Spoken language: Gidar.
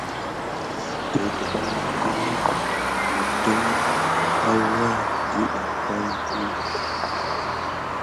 Tät dumpag ɓa kirini wudon akura dida pay ki.